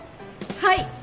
はい！